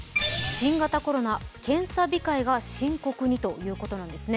新型コロナ検査控えが深刻にということなんですね。